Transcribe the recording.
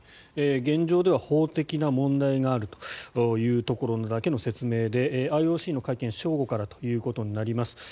現状では法的な問題があるというところだけの説明でＩＯＣの会見は正午からということになります。